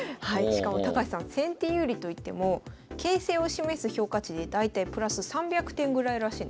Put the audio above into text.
しかも高橋さん先手有利といっても形勢を示す評価値で大体プラス３００点ぐらいらしいんですよ。